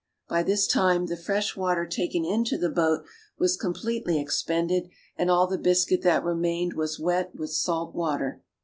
By this time the fresh water taken into the boat was completely expended, and all the biscuit that remained was wet with salt water.